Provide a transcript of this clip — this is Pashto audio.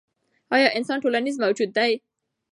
ایا انسان ټولنیز موجود دی؟